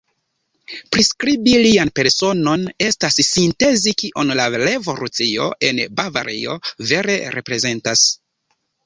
Priskribi lian personon estas sintezi kion la revolucio en Bavario vere reprezentas.